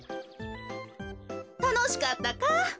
たのしかったか？